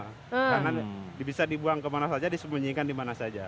karena bisa dibuang ke mana saja disembunyikan di mana saja